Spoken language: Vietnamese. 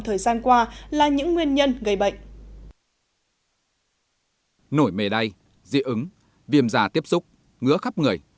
thời gian qua là những nguyên nhân gây bệnh nổi mề đay dị ứng viêm da tiếp xúc ngứa khắp người